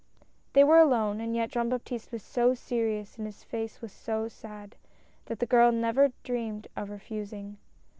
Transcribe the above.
They were alone, and yet Jean Baptiste was so serious and his face was so sad, that the girl never dreamed of refusing.